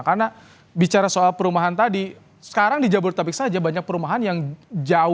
karena bicara soal perumahan tadi sekarang di jabodetabek saja banyak perumahan yang jauh sekali dengan perkantoran